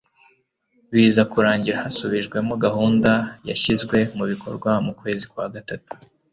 biza kurangira hasubijweho gahunda yashyizwe mu bikorwa mu kwezi kwa gatatu